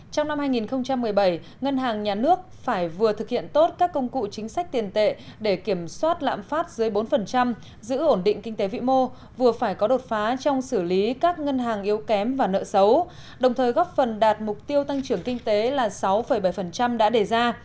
trong năm hai nghìn một mươi bảy ngân hàng nhà nước phải vừa thực hiện tốt các công cụ chính sách tiền tệ để kiểm soát lãm phát dưới bốn giữ ổn định kinh tế vĩ mô vừa phải có đột phá trong xử lý các ngân hàng yếu kém và nợ xấu đồng thời góp phần đạt mục tiêu tăng trưởng kinh tế là sáu bảy đã đề ra